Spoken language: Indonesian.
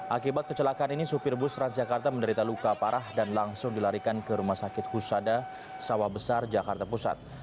akibat kecelakaan ini supir bus transjakarta menderita luka parah dan langsung dilarikan ke rumah sakit husada sawah besar jakarta pusat